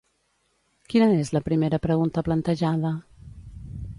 Quina és la primera pregunta plantejada?